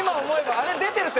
あれ出てるって